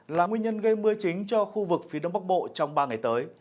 là nguyên nhân gây mưa chính cho khu vực phía đông bắc bộ trong ba ngày tới